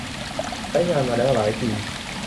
ใช้งานมาแล้วหลายปี